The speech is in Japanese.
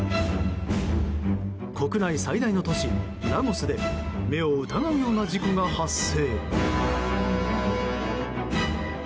国内最大の都市ラゴスで目を疑うような事故が発生。